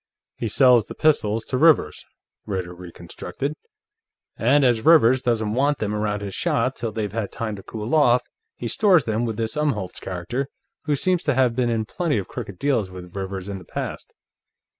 He sells the pistols to Rivers," Ritter reconstructed. "And, as Rivers doesn't want them around his shop till they've had time to cool off, he stores them with this Umholtz character, who seems to have been in plenty of crooked deals with Rivers in the past.